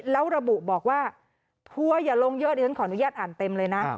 แล้วระบุบอกว่าทัวร์อย่าลงเยอะเดี๋ยวฉันขออนุญาตอ่านเต็มเลยนะ